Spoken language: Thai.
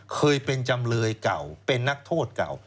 เคยเป็นจำเลยเก่าเป็นนักโทษเก่า